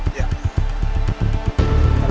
grup torun belanda